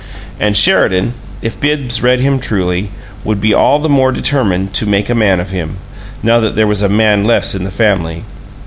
And Sheridan, if Bibbs read him truly, would be all the more determined to "make a man" of him, now that there was a man less in the family.